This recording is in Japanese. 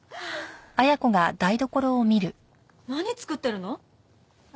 何作ってるの？